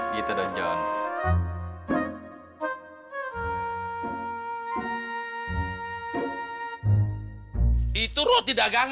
gitu dong jon